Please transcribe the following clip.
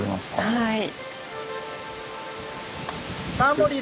はい。